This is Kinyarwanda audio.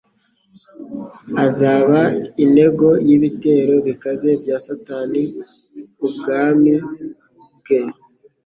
azaba intego y'ibitero bikaze bya Satani ubwami bwe